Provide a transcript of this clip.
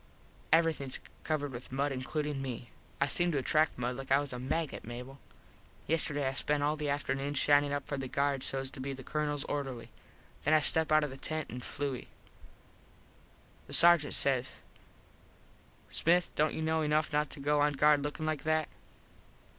Everythings covered with mud includin me. I seem to attract mud like I was a maggot, Mable. Yesterday I spent all the afternoon shinin up for guard sos to be the Colonels orderly. Then I step out of the tent and flui. The Sargent says, "Smith dont you know enuff not to go on guard lookin like that?"